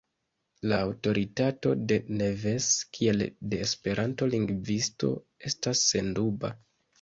La aŭtoritato de Neves kiel de Esperanto-lingvisto estas senduba.